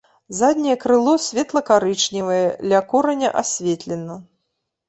Задняе крыло светла-карычневае, ля кораня асветлена.